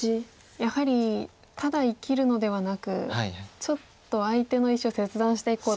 やはりただ生きるのではなくちょっと相手の石を切断していこうと。